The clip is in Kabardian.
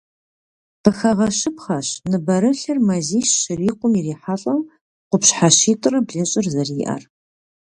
Къыхэгъэщыпхъэщ ныбэрылъыр мазищ щрикъум ирихьэлӏэу къупщхьэ щитӏрэ блыщӏыр зэриӏэр.